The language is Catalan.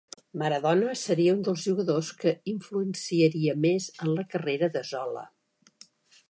Maradona seria un dels jugadors que influenciaria més en la carrera de Zola.